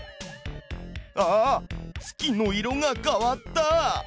あっ月の色が変わった！